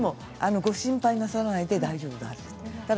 ご心配なさらないで大丈夫です。